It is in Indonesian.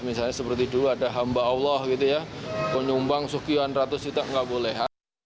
misalnya seperti dulu ada hamba allah gitu ya penyumbang sekian ratus juta nggak boleh